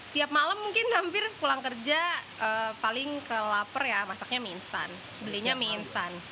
tiap malam mungkin hampir pulang kerja paling ke lapar ya masaknya mie instan belinya mie instan